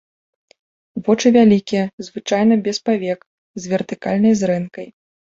Вочы вялікія, звычайна без павек, з вертыкальнай зрэнкай.